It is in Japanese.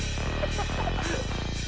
・・ハハハハ！